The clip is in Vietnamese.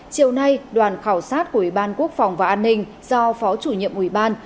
chiều nay đoàn khảo sát của ủy ban quốc phòng và an ninh do phó chủ nhiệm ủy ban